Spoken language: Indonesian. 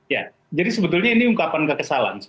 ya jadi sebetulnya ini ungkapan kekesalan